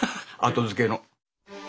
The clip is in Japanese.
後付けの。